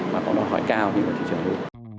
mà còn đòi hỏi cao như thị trường eu